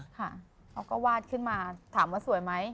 เขาก็วาดขึ้นมาถามว่าสวยไหม